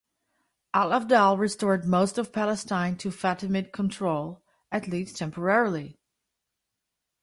Al-Afdal restored most of Palestine to Fatimid control, at least temporarily.